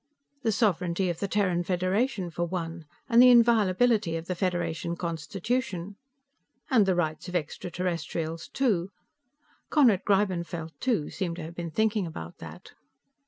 The sovereignty of the Terran Federation for one, and the inviolability of the Federation Constitution. And the rights of extraterrestrials, too. Conrad Greibenfeld, too, seemed to have been thinking about that.